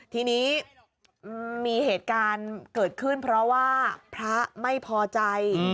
ทีนี้มีเหตุการณ์เกิดขึ้นเพราะว่าพระไม่พอใจ